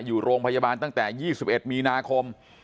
อยู่โรงพยาบาลตั้งแต่๒๑มีนาคม